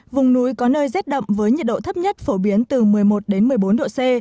vùng núi có nơi rét đậm với nhiệt độ thấp nhất phổ biến từ một mươi một đến một mươi bốn độ c